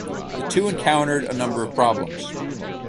The two encountered a number of problems.